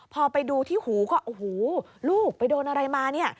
พอไปดูที่หูก็โอ้โหลูกไปโดนอะไรมาเนี่ย